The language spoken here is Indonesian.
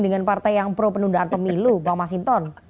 dengan partai yang pro penundaan pemilu bang masinton